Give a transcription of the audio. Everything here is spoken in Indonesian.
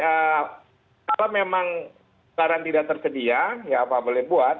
jadi kalau memang sekarang tidak tersedia ya apa boleh buat